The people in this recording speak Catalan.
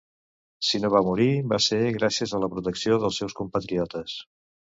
Si no va morir, va ser gràcies a la protecció dels seus compatriotes.